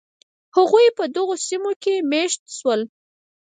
هغوی په دغو سیمو کې مېشت شول.